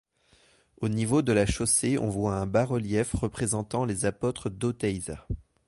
Au niveau de la chaussée on voit un bas-relief représentant les apôtres d'Oteiza.